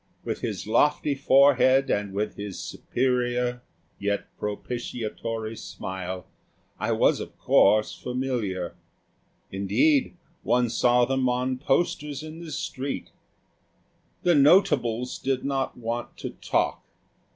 With his lofty forehead and with his superior, yet propitiatory smile, I was of course familiar. Indeed one saw them on posters in the street. The notables did not want to talk.